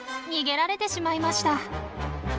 逃げられてしまいました。